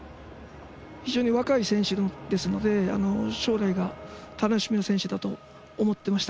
非常に若い選手なので将来が楽しみな選手だと思っていました。